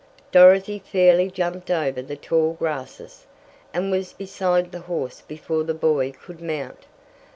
Dorothy fairly jumped over the tall grasses, and was beside the horse before the boy could mount.